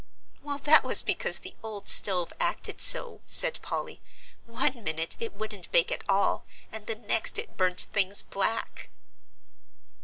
"Well, that was because the old stove acted so," said Polly; "one minute it wouldn't bake at all, and the next it burnt things black."